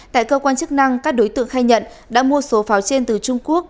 tại cơ quan chức năng các đối tượng khai nhận đã mua số pháo trên từ trung quốc